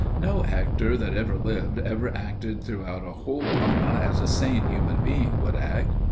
No actor that ever lived ever acted throughout a whole drama as a sane human being would act.